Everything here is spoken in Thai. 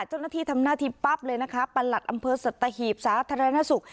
เจ้าหน้าที่ทำหน้าที่ปั๊บเลยนะคะประหลัดอำเภอสัตหีบสาธารณสุข